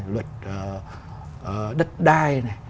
luật đất đai